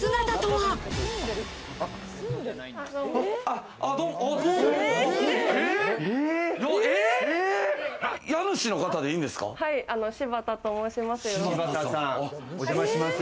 はい、柴田と申します。